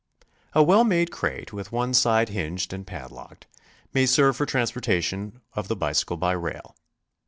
A well made crate, with one side hinged and padlocked, may serve for transportation of the bicycle by rail.